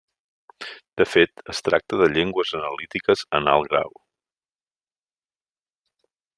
De fet es tracta de llengües analítiques en alt grau.